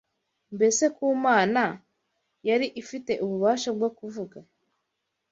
Mbese ku Mana yari ifite ububasha bwo kuvuga